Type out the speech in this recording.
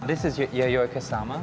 ini adalah yayoi kusama